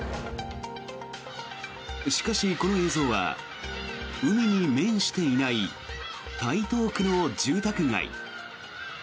しかし、この映像は海に面していない台東区の住宅街。